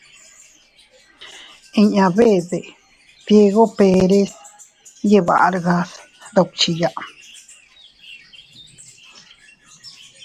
Inña dbede, Diego Pérez yiʼi Vargas sduckhiya.